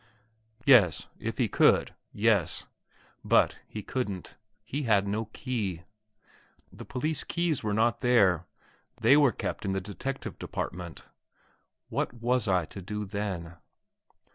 Yes, if he could, yes! But he couldn't; he had no key. The police keys were not there; they were kept in the Detective Department. What was I to do then?